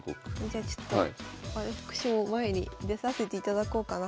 じゃあちょっと私も前に出させていただこうかな。